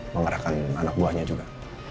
mengarahkan anak buahnya juga